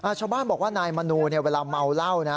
ชาวบ้านบอกว่านายมนูเนี่ยเวลาเมาเหล้านะ